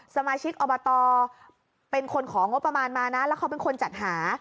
สมาชิกอบตเป็นคนของงบประมาณมานะแล้วเขาเป็นคนจัดหา